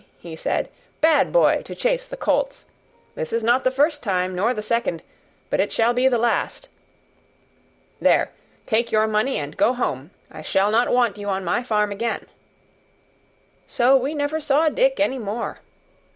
he said, "bad boy! to chase the colts. This is not the first time, nor the second, but it shall be the last. There take your money and go home; I shall not want you on my farm again." So we never saw Dick any more.